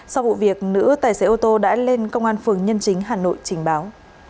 sau vụ việc nữ tài xế ô tô đã lên công an phường nhân chính hà nội trình báo